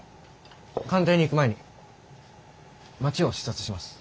官邸に行く前に街を視察します。